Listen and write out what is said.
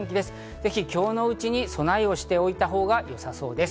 ぜひ今日のうちに備えをしておいたほうがよさそうです。